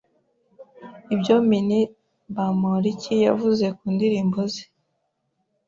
ibyo Min.Bamporiki yavuze ku ndirimbo ze